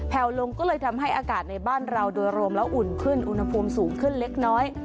ลงก็เลยทำให้อากาศในบ้านเราโดยรวมแล้วอุ่นขึ้นอุณหภูมิสูงขึ้นเล็กน้อย